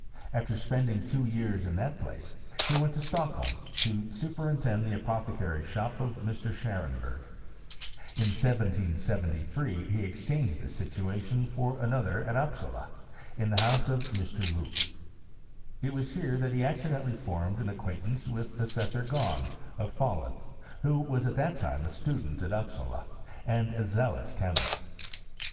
After spending two years in that place, he went to Stock holm, to superintend the apothecary's sbop of Mr. Scharenberg. In 1773 he exchanged this situation for another at Upsala, in the house of Mr. Loock. It was here that he accidentally formed an ac quaintance with Assessor Gahn, of Fahlun, who was at that time a student at Upsala, and a zealous chemist.